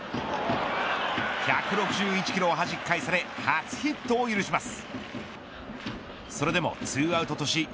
１６１キロをはじき返され初ヒットを許します。